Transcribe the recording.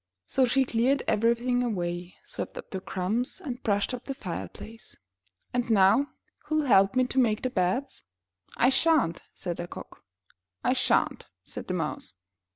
So she cleared everything away, swept up the crumbs and brushed up the fireplace. ''And now, who'll help me to make the beds?" *'I shan't," said the Cock. *'I shan't," said the Mouse.